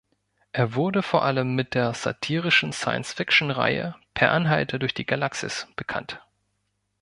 Er wurde vor allem mit der satirischen Science-Fiction-Reihe "Per Anhalter durch die Galaxis" bekannt.